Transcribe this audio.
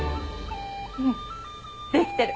うんできてる。